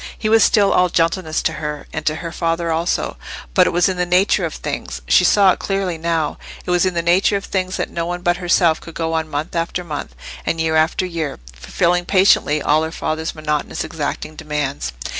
He was still all gentleness to her, and to her father also. But it was in the nature of things—she saw it clearly now—it was in the nature of things that no one but herself could go on month after month, and year after year, fulfilling patiently all her father's monotonous exacting demands.